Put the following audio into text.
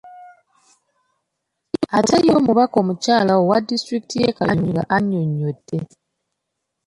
Ate ye omubaka omukyala owa disitulikiti y’e Kayunga annyonnyodde .